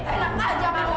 helah aja bang